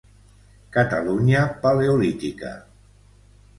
Catalunya Paleolítica.